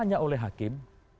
ditanya oleh hakim